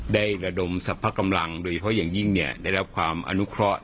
ระดมสรรพกำลังโดยเฉพาะอย่างยิ่งได้รับความอนุเคราะห์